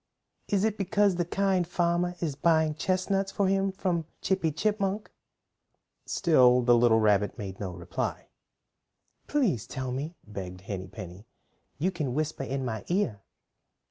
"Is it because the Kind Farmer is buying chestnuts for him from Chippy Chipmunk?" Still the little rabbit made no reply. "Please tell me," begged Henny Penny. "You can whisper in my ear."